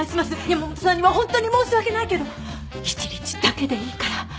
山本さんにはホントに申し訳ないけど１日だけでいいから。